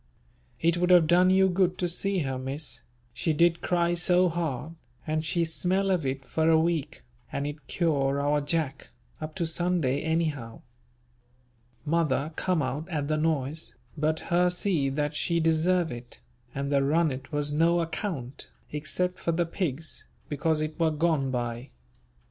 It would have done you good to see her Miss, she did cry so hard, and she smell of it for a week, and it cure our Jack, up to Sunday anyhow. Mother come out at the noise, but her see that she deserve it, and the runnet was no account, except for the pigs, because it were gone by.